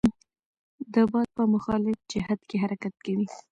د باد په مخالف جهت کې حرکت کوي.